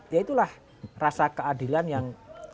ya itulah rasa keadilan yang